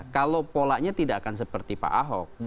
kalau polanya tidak akan seperti pak ahok